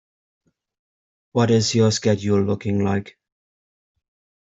What is your schedule looking like?